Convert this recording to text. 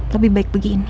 lebih baik begini